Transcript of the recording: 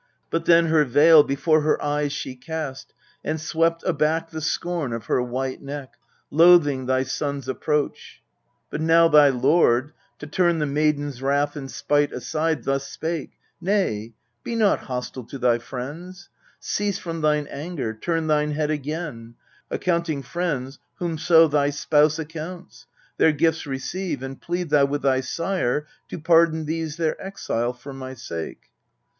But then her veil before her eyes she cast, And swept aback the scorn of her white neck, Loathing thy sons' approach : but now thy lord, To turn the maiden's wrath and spite aside, Thus spake :" Nay, be not hostile to thy friends : Cease from thine anger, turn thine head again, Accounting friends whomso thy spouse accounts. Their gifts receive, and plead thou with thy sire To pardon these their exile for my sake."